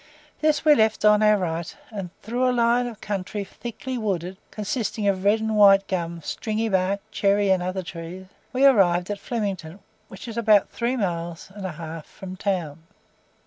This we left on our right, and through a line of country thickly wooded (consisting of red and white gum, stringy bark, cherry and other trees), we arrived at Flemington, which is about three miles and a half from town.